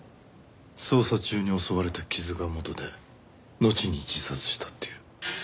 捜査中に襲われた傷がもとでのちに自殺したっていう。